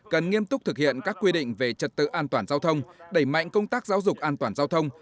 cần nghiêm túc thực hiện các quy định về trật tự an toàn giao thông đẩy mạnh công tác giáo dục an toàn giao thông